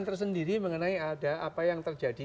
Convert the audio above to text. tersendiri mengenai ada apa yang terjadi